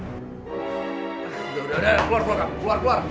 udah udah udah keluar keluar keluar keluar